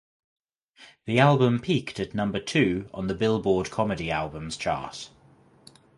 The album peaked at number two on the "Billboard" Comedy Albums chart.